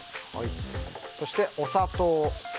そしてお砂糖。